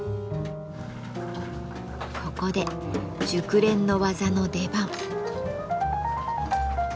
ここで熟練の技の出番。